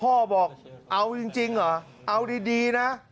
พ่อบอกเอาจริงเหรอเอาดีนะ